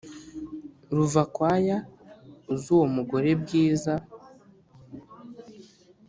ruvakwaya uzi uwo mugore bwiza